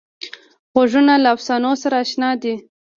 غوږونه له افسانو سره اشنا دي